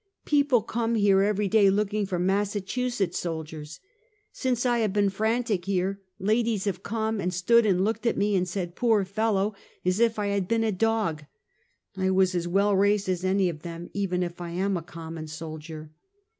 People come here every day looking for Massachusetts soldiers. Since I have been frantic here, ladies have come and stood and looked at me, and said ' Poor fellow! ' as if I had been a dog. I was as well raised as any of them, even if I am a common soldier."